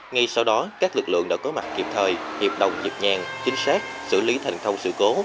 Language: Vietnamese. ngay sau đó các lực lượng đã có mặt kịp thời hiệp đồng nhịp nhàng chính xác xử lý thành công sự cố